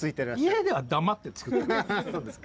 家では黙って作ってます。